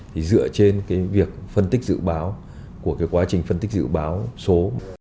thì dựa trên việc phân tích dự báo của quá trình phân tích dự báo số